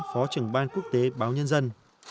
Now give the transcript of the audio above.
phó trưởng ban quốc tế báo nhân dân